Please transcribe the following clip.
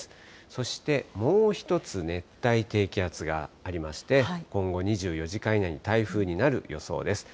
そしてもう１つ、熱帯低気圧がありまして、今後２４時間以内に台風になる予想です。